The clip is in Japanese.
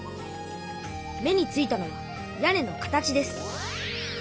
目についたのは屋根の形です。